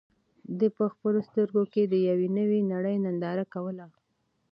ده په خپلو سترګو کې د یوې نوې نړۍ ننداره کوله.